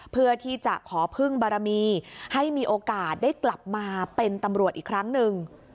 เพื่อที่จะขอพึ่งบารมีให้มีโอกาสได้กลับมาเป็นตำรวจอีกครั้งหนึ่ง